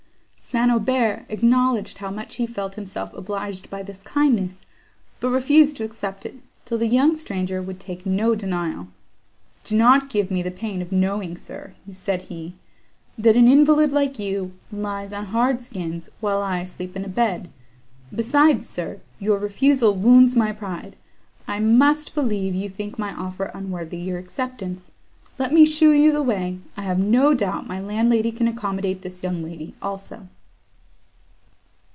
St. Aubert acknowledged how much he felt himself obliged by this kindness, but refused to accept it, till the young stranger would take no denial. "Do not give me the pain of knowing, sir," said he, "that an invalid, like you, lies on hard skins, while I sleep in a bed. Besides, sir, your refusal wounds my pride; I must believe you think my offer unworthy your acceptance. Let me show you the way. I have no doubt my landlady can accommodate this young lady also."